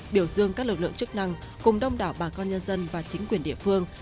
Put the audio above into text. biểu dương các lực lượng chức năng cùng đông đảo bà con nhân dân và chính quyền địa phương